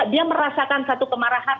dia merasakan satu kemarahan